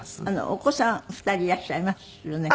お子さん２人いらっしゃいますよね？